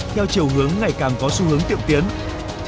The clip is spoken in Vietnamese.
theo chiều hướng ngày càng có xu hướng tiền lợi của người chết vì ung thư